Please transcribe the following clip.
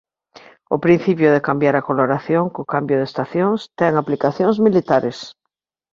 O principio de cambiar a coloración co cambio de estacións ten aplicacións militares.